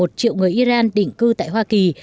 một triệu người iran định cư tại hoa kỳ